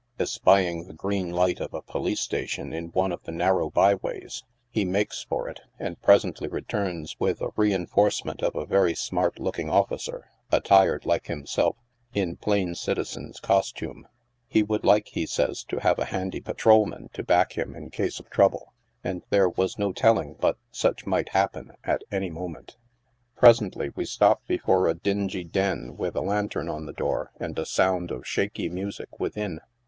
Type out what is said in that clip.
Esyping the green light of a police station in one of the narrow by ways, he makes for it, and presently returns with a reinforcement of a very smart looking officer, attired, like himself, in plain citizen's costume. He would like, he says, to have a handy patrolman to back him in case of trouble, and there was no telling but such might happen at any moment. Presently we stop before a dingy den with a lantern on the door and a sound of shaky music within.